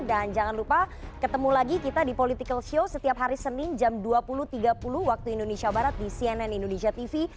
dan jangan lupa ketemu lagi kita di political show setiap hari senin jam dua puluh tiga puluh waktu indonesia barat di cnn indonesia tv